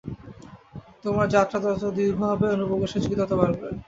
তোমার যাত্রা যত দীর্ঘ হবে, অনুপ্রবেশের ঝুঁকি তত বাড়বে।